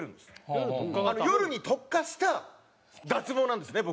夜に特化した脱毛なんですね